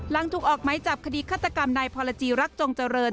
หลังถูกออกไหมจับคดีฆาตกรรมนายพรจีรักจงเจริญ